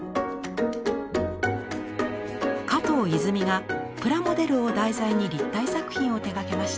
加藤泉がプラモデルを題材に立体作品を手がけました。